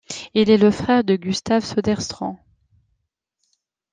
Il est le frère de Gustaf Söderström.